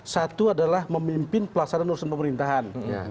satu adalah memimpin pelaksanaan urusan pemerintahan